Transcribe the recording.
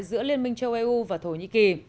giữa liên minh châu eu và thổ nhĩ kỳ